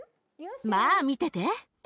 まあ見てて。